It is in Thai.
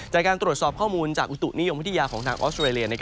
จากการตรวจสอบข้อมูลจากอุตุนิยมวิทยาของทางออสเตรเลีย